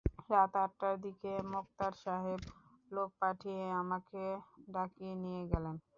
রাত আটটার দিকে মোক্তার সাহেব লোক পাঠিয়ে আমাকে ডাকিয়ে নিয়ে গেলেন।